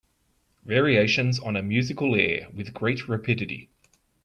Variations on a musical air With great rapidity